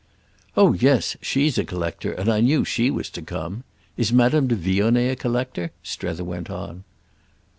"Oh yes, she's a collector, and I knew she was to come. Is Madame de Vionnet a collector?" Strether went on.